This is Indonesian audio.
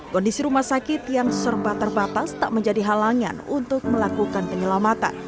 kondisi rumah sakit yang serba terbatas tak menjadi halangan untuk melakukan penyelamatan